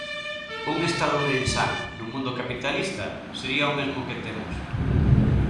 Un Estado ourensán, nun mundo capitalista, sería o mesmo que temos.